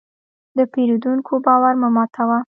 د پیرودونکي باور مه ماتوه.